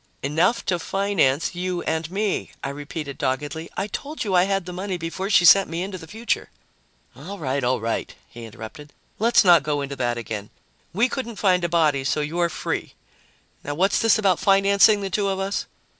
"Enough to finance you and me," I repeated doggedly. "I told you I had the money before she sent me into the future " "All right, all right," he interrupted. "Let's not go into that again. We couldn't find a body, so you're free. Now what's this about financing the two of us?"